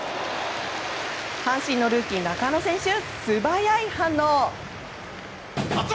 阪神のルーキー、中野選手素早い反応。